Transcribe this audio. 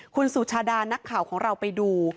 คุณสุชาดานักข่าวของเราไปดู